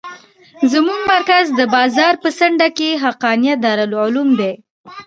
زموږ مرکز د بازار په څنډه کښې حقانيه دارالعلوم دى.